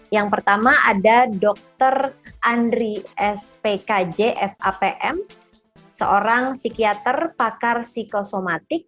yang pertama ada dr andri spkj fapm seorang psikiater pakar psikosomatik